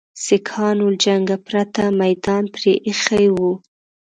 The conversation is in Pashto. سیکهانو له جنګه پرته میدان پرې ایښی وو.